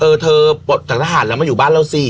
เออเธอปลดจากทหารแล้วมาอยู่บ้านเราสิ